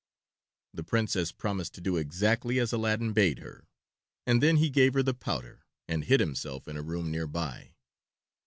The Princess promised to do exactly as Aladdin bade her, and then he gave her the powder, and hid himself in a room near by.